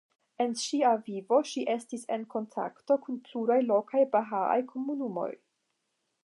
En ŝia vivo ŝi estis en kontakto kun pluraj lokaj bahaaj komunumoj.